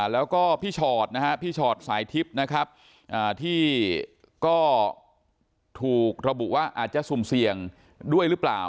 แล้วก็พี่ชอตสายทิศที่ก็ถูกระบุว่าอาจจะสุ่มเสี่ยงด้วยหรือเปล่า